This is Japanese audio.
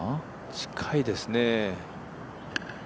近いですね。